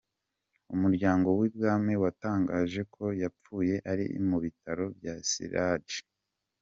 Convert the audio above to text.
Umuryango w’ibwami watangaje ko yapfuye ari mubitaro bya Siriraj.